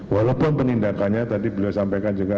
walaupun penindakannya tadi beliau sampaikan juga